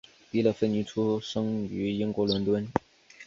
迪乐芬妮出生于英国伦敦。